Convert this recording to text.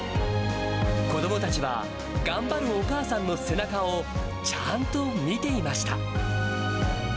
子どもたちは頑張るお母さんの背中をちゃんと見ていました。